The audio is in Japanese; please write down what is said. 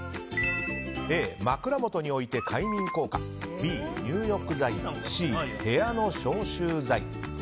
Ａ、枕元に置いて快眠効果Ｂ、入浴剤Ｃ、部屋の消臭剤。